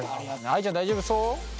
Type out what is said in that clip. あいちゃん大丈夫そう？